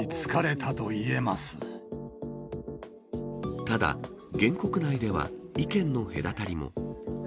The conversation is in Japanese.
ただ、原告内では意見の隔たりも。